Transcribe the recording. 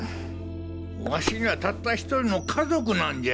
ワシにはたった１人の家族なんじゃ！